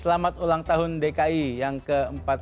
selamat ulang tahun dki yang ke empat puluh lima